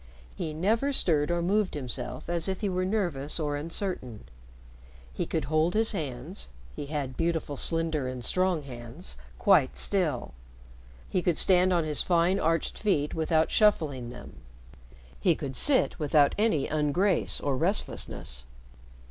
He never stirred or moved himself as if he were nervous or uncertain. He could hold his hands (he had beautiful slender and strong hands) quite still; he could stand on his fine arched feet without shuffling them. He could sit without any ungrace or restlessness.